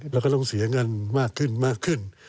แล้วก็ต้องเสียเงินมากขึ้น